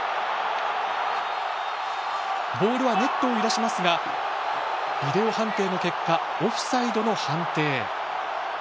ボールはネットを揺らしますがビデオ判定の結果オフサイドの判定。